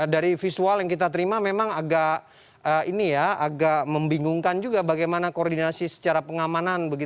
dari visual yang kita terima memang agak membingungkan juga bagaimana koordinasi secara pengamanan